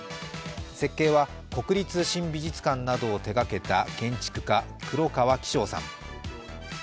設計は国立新美術館などを手がけた建築家・黒川紀章さん。